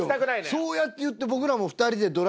そうやって言って僕らも。